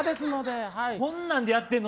こんなんでやってるの？